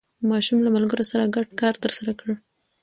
ماشوم له ملګرو سره ګډ کار ترسره کړ